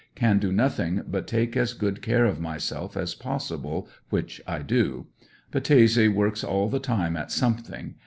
Can do nothing but take as go^d care of myself as possible, which I do. Battese works all the time at something.